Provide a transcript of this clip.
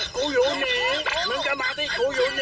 กูยูนีมึงจะมาด้วยกูยูนี